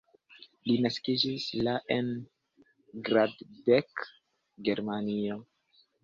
Li naskiĝis la en Gladbeck, Germanio.